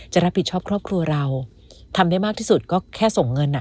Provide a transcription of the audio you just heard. จะรับผิดชอบครอบครัวเราทำได้มากที่สุดก็แค่ส่งเงิน